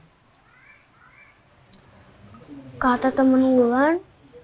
hai kata temen bulan